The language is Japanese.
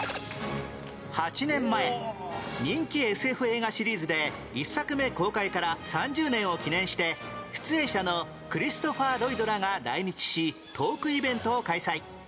８年前人気 ＳＦ 映画シリーズで１作目公開から３０年を記念して出演者のクリストファー・ロイドらが来日しトークイベントを開催